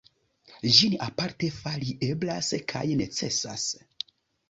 Ĝin aparte fari eblas kaj necesas.